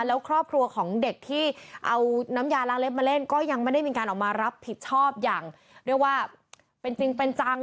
แล้วครอบครัวของเด็กที่เอาน้ำยาล้างเล็บมาเล่นก็ยังไม่ได้มีการออกมารับผิดชอบอย่างเรียกว่าเป็นจริงเป็นจัง